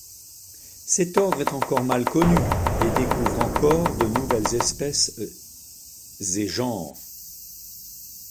Cette ordre est encore mal connu et découvre encore de nouvelles espèces et genre.